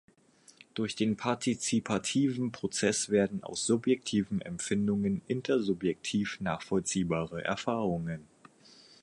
Durch den partizipativen Prozess werden aus subjektiven Empfindungen intersubjektiv nachvollziehbare Erfahrungen.